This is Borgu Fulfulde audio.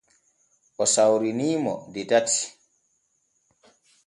O sawrini mo de tati.